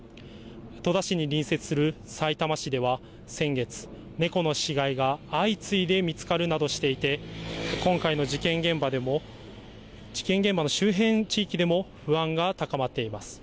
戸田市に隣接するさいたま市では先月、猫の死骸が相次いで見つかるなどしていて今回の事件現場の周辺地域でも不安が高まっています。